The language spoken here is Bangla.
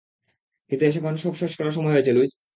কিন্তু এখন সব শেষ করার সময় হয়েছে, লুইস।